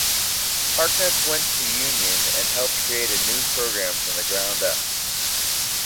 Harkness went to Union and helped create a new program from the ground up.